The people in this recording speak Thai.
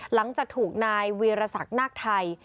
หลังจากถูกนายวีรศักดิ์นาคไทย